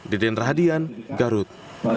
deden rahadian garut